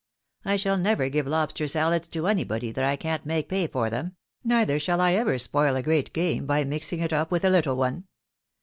I shall never give lobster salads to anybody that I can't make pay for them, neither shall I ever spoil a great game by mixing it up with a little one.